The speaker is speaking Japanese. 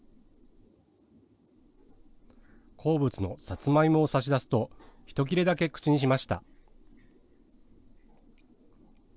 好物のさつまいもを差し出すとひと切れだけ口にしました。